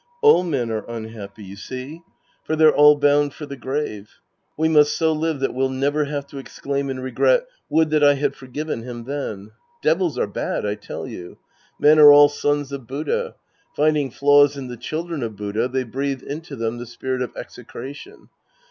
All men are unhappy, you see. For they're all bound for the grave. We must so live that vv e'U never have to exclaim in regret, " Would that I had forgiven him then 1" Devils are bad, I tell you. Men are all sons of Buddha. Finding flaws in the children of Buddha, they breathe into them the spirit of execration.